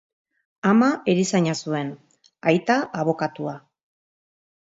Ama erizaina zuen, aita abokatua.